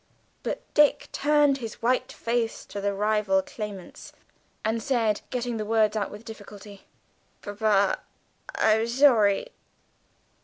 But Dick turned his white face to the rival claimants and said, getting the words out with difficulty: "Papa, I'm shorry.